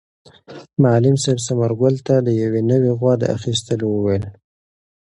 معلم صاحب ثمر ګل ته د یوې نوې غوا د اخیستلو وویل.